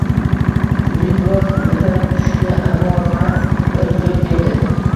Uning biroz mhi tushdi, ammo ban bir zo‘r berdi: